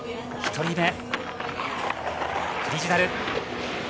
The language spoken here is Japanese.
１人目、クリジュナル。